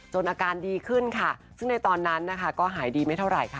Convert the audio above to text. อาการดีขึ้นค่ะซึ่งในตอนนั้นนะคะก็หายดีไม่เท่าไหร่ค่ะ